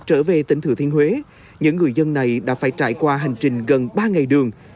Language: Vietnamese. trở về tỉnh thừa thiên huế những người dân này đã phải trải qua hành trình gần ba ngày đường